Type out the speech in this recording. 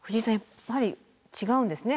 やっぱり違うんですね